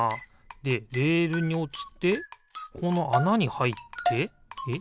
でレールにおちてこのあなにはいってえ？